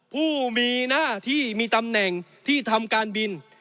ผู้มีหน้าที่มีตำแหน่งที่ทำการบิน